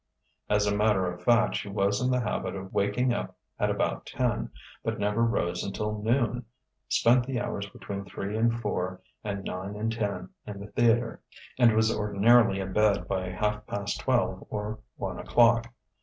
As a matter of fact she was in the habit of waking up at about ten, but never rose until noon; spent the hours between three and four and nine and ten in the theatre; and was ordinarily abed by half past twelve or one o'clock.